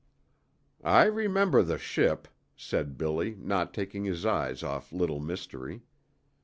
"I remember the ship," said Billy, not taking his eyes off Little Mystery.